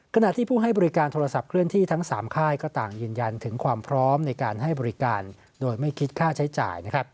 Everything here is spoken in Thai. ขณะที่ผู้ให้บริการโทรศัพท์เคลื่อนที่ทั้ง๓ค่ายก็ต่างยืนยันถึงความพร้อมในการให้บริการโดยไม่คิดค่าใช้จ่าย